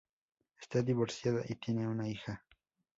Está divorciada, y tiene una hija.